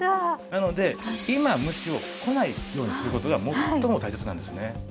なので今虫を来ないようする事が最も大切なんですよね。